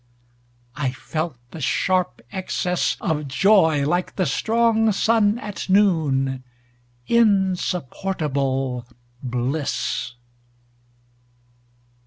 I felt the sharp excess Of joy like the strong sun at noon Insupportable bliss!